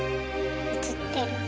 映ってる。